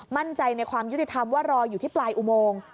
มั่นใจในความยุติธรรมว่ารออยู่ที่ปลายอุโมง